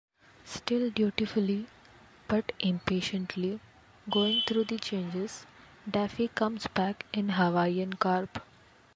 Still dutifully, but impatiently, going through the changes, Daffy comes back in Hawaiian garb.